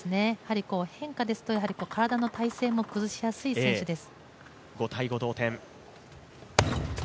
変化ですと、体の体勢も崩しやすい選手です。